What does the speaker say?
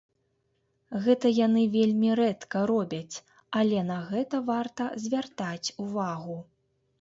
Гэта яны вельмі рэдка робяць, але на гэта варта звяртаць увагу.